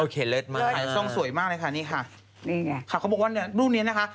เลิศมากช่องสวยมากเลยค่ะนี่ค่ะนี่ไงค่ะเขาบอกว่าเนี่ยรูปนี้นะคะ